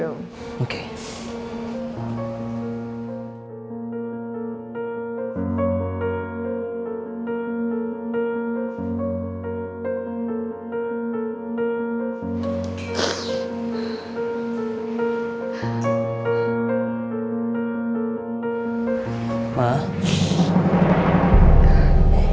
oke aku akan tinggalkanmu di sini